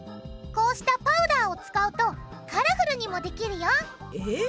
こうしたパウダーを使うとカラフルにもできるよえっ？